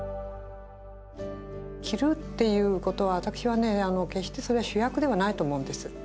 着るっていうことは私は決してそれは主役ではないと思うんです。